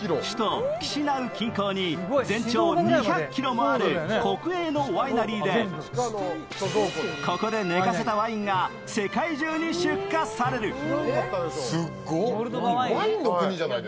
首都キシナウ近郊に全長２００ｋｍもある国営のワイナリーでここで寝かせたワインが世界中に出荷される。